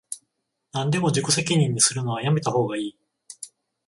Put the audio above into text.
なんでも自己責任にするのはやめたほうがいい